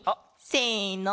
せの！